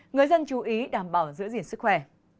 người dân chú ý đảm bảo giữ gìn sức khỏe